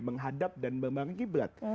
menghadap dan membangun qiblat